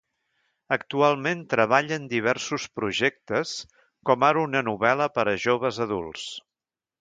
Actualment treballa en diversos projectes, com ara una novel·la per a joves adults.